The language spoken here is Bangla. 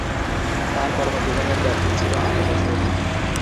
তার কর্মজীবনের ব্যাপ্তি ছিল আট দশক।